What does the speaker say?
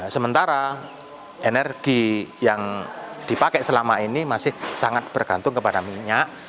sementara energi yang dipakai selama ini masih sangat bergantung kepada minyak